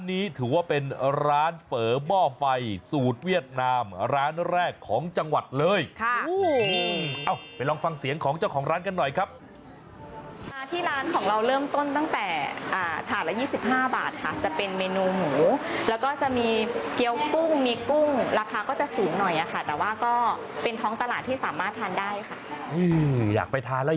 ที่ร้านของเราเริ่มต้นตั้งแต่ฐานแหละ๒๕บาทครับจะเป็นเมนูหมูแล้วก็จะมีเกี๊ยวกุ้งมีกุ้งราคาก็จะสูงหน่อยนะค่ะแต่ว่าก็เป็นท้องตลาดที่สามารถทานได้ค่ะ